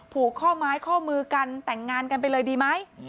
ผูกข้อไม้ข้อมือกันแต่งงานกันไปเลยดีไหม